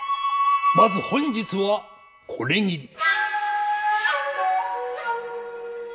まず本日はこれぎり。